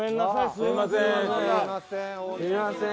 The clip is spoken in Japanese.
すいません。